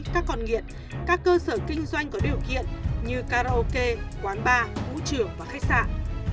các con nghiện các cơ sở kinh doanh có điều kiện như karaoke quán bar vũ trường và khách sạn